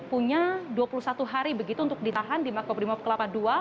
punya dua puluh satu hari begitu untuk ditahan di makobrimo pekalapa dua